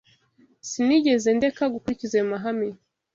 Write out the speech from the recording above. sinigeze ndeka gukurikiza ayo mahame.